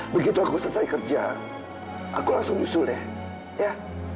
begitu aku selesai kerja aku langsung usul deh ya